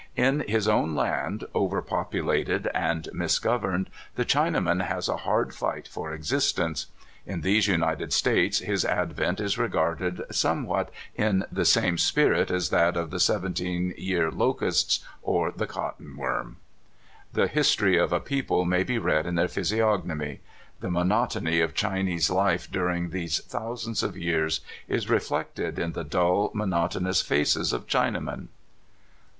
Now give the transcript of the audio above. In his own land, over populated and misgoverned, the Chinaman has a hard fight for existence. In these United States his advent is regarded some what in the same spi4t as that of the seventeen (198) AH LEE. 199 year locusts, or the cotton worm. The history of a people may be read in their physiognomy. The monotony of Chinese life during these thousands of years is reflected in the dull, monotonous faces of Chinamen.